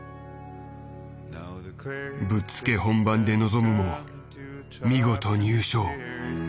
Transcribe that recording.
ぶっつけ本番で臨むも見事入賞。